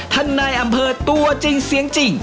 นายอำเภอตัวจริงเสียงจริง